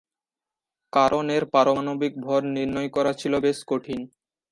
কারণ এর পারমাণবিক ভর নির্ণয় করা ছিল বেশ কঠিন।